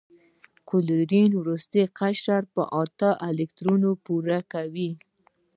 کلورین وروستی قشر په اته الکترونونه پوره کوي.